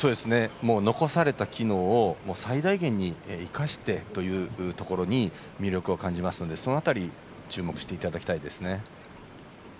残された機能を最大限に生かしてというところに魅力を感じますので、その辺りに注目していただきたいですね。